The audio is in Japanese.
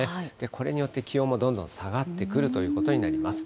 これによって気温もどんどん下がってくるということになります。